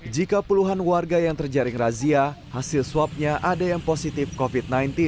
jika puluhan warga yang terjaring razia hasil swabnya ada yang positif covid sembilan belas